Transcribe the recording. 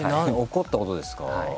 怒ったことですか？